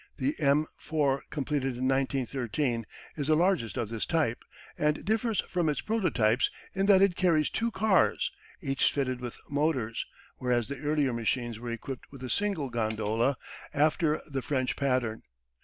The "M IV" completed in 1913 is the largest of this type, and differs from its prototypes in that it carries two cars, each fitted with motors, whereas the earlier machines were equipped with a single gondola after the French pattern.